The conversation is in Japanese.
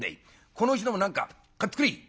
このうちのもん何か買ってくれ」。